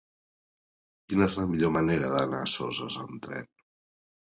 Quina és la millor manera d'anar a Soses amb tren?